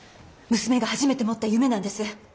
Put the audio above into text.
娘が初めて持った夢なんです。